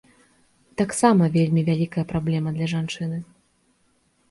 Таксама вельмі вялікая праблема для жанчыны.